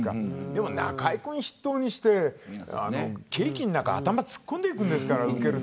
中居君を筆頭にしてケーキの中に頭を突っ込んでくんですから。